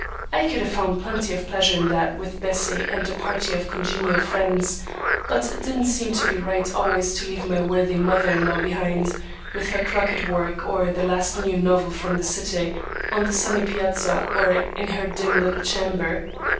I could have found plenty of pleasure in that with Bessie and a party of congenial friends, but it didn't seem to be right always to leave my worthy mother in law behind, with her crochet work or the last new novel from the city, on the sunny piazza or in her dim little chamber.